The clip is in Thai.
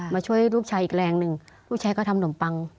มาช่วยลูกชายอีกแรงหนึ่งลูกชายก็ทำนมปัง